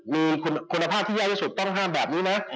มีคุณภาพที่แย่ที่สุดต้องห้ามแบบนี้นะ